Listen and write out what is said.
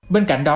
bên cạnh đó